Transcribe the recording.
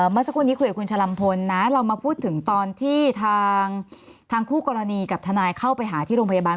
เมื่อสักครู่นี้คุยกับคุณชะลัมพลนะเรามาพูดถึงตอนที่ทางคู่กรณีกับทนายเข้าไปหาที่โรงพยาบาล